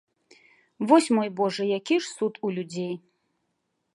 Вось, мой божа, які ж суд у людзей!